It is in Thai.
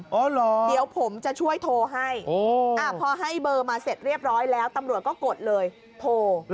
อ๋อเหรอเดี๋ยวผมจะช่วยโทรให้พอให้เบอร์มาเสร็จเรียบร้อยแล้วตำรวจก็กดเลยโทร